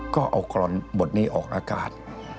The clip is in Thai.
ก็เอากรอนบทนี้ออกอากาศ